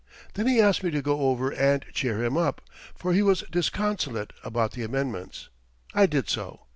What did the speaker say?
Then he asked me to go over and cheer him up, for he was disconsolate about the amendments. I did so.